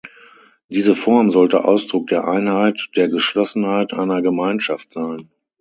Diese Form sollte Ausdruck der Einheit, der Geschlossenheit einer Gemeinschaft sein.